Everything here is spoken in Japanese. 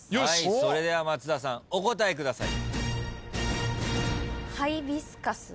それでは松田さんお答えください。